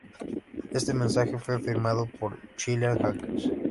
Éste mensaje fue firmado por "Chilean Hackers.